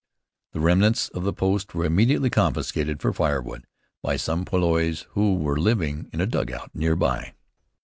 The remnants of the post were immediately confiscated for firewood by some poilus who were living in a dugout near by.